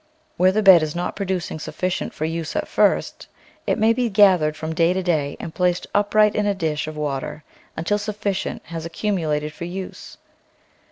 Where the bed is not producing sufficient for use at first, it may be gath ered from day to day and placed upright in a dish of water until sufficient has accumulated for use.